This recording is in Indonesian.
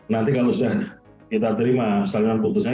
nanti kalau sudah kita terima soal putusan